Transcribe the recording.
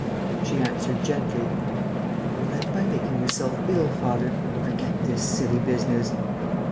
She answered, gently: "You will end by making yourself ill, father. Forget this silly business."